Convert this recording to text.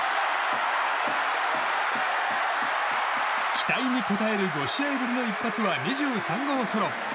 期待に応える５試合ぶりの一発は２３号ソロ。